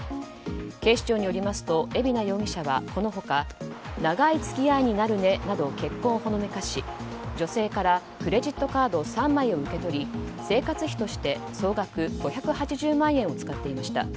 警視庁によりますと海老名容疑者はこの他長い付き合いになるねなど結婚をほのめかし女性からクレジットカード３枚を受け取り生活費として総額５８０万円を使っていました。